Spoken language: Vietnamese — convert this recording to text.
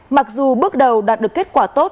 mặc dù bước đầu đạt được kết quả tốt